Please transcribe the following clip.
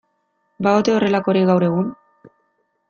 Ba ote horrelakorik gaur egun?